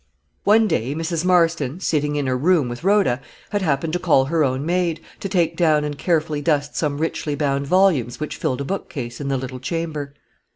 One day Mrs. Marston, sitting in her room with Rhoda, had happened to call her own maid, to take down and carefully dust some richly bound volumes which filled a bookcase in the little chamber.